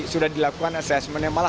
sudah dilakukan asesmennya